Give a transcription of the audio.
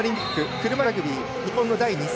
車いすラグビー、日本の第２戦。